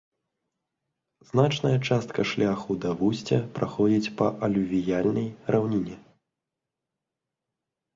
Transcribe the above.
Значная частка шляху да вусця праходзіць па алювіяльнай раўніне.